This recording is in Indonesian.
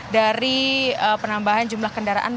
dari penambahan jumlah kendaraan